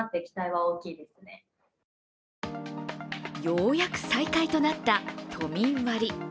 ようやく再開となった都民割。